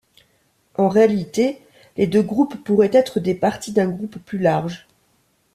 En réalité, les deux groupes pourraient être des parties d'un groupe plus large.